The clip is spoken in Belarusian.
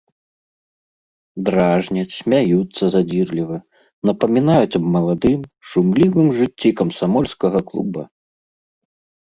Дражняць, смяюцца задзірліва, напамінаюць аб маладым, шумлівым жыцці камсамольскага клуба.